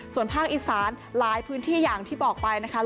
ส่วนภาคอีสานหลายพื้นที่อย่างที่บอกไปนะคะ